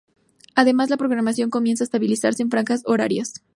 Además la programación comienza a estabilizarse en franjas horarias.